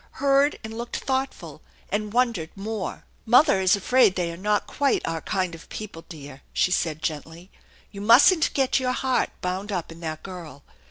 Heard, and looked thoughtful, and wondered more. " Mother is afraid they are not quite our kind of people, dear !" she said gently. " You mustn't get your heart bound up in that girl.